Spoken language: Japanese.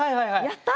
やった？